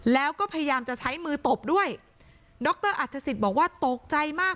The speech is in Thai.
แล้วก็พยายามจะใช้มือตบด้วยดรอัฐศิษย์บอกว่าตกใจมาก